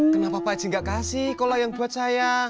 kenapa pak eci gak kasih kolak yang buat saya